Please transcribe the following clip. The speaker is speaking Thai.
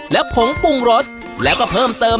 และผงปรุงรสแล้วก็เพิ่มเติม